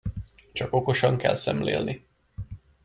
Csak okosan kell szemlélni!